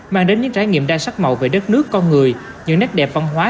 mang đến những trải nghiệm đa sắc màu về đất nước con người những nét đẹp văn hóa